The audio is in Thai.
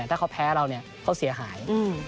ถ้าเขาแพ้เราเขาเสียหาย